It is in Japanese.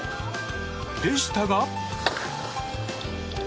でしたが。